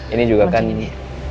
ini juga kan ini